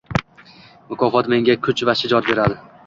Mukofot menga kuch va shijoat beradi